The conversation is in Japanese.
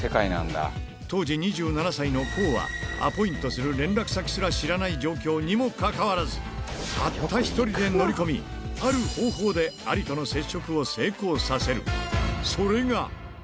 当時２７歳の康は、アポイントする連絡先すら知らない状況にもかかわらず、たった１人で乗り込み、ある方法でアリとの接触を成功させる。